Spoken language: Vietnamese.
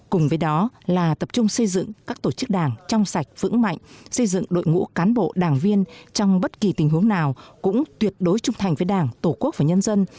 cùng với đó là tập trung xây dựng các tổ chức đảng trong sạch vững mạnh xây dựng đội ngũ cán bộ đảng viên trong bất kỳ tình huống nào cũng tuyệt đối trung thành với đảng tổ quốc và nhân dân